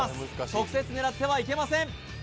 直接狙ってはいけません